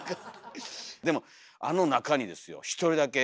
でもあの中にですよ一人だけ。